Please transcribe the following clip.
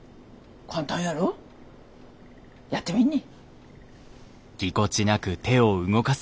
簡単やろ？やってみんね。